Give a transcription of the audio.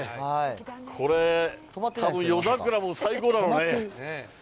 これ、たぶん、夜桜も最高だろうね。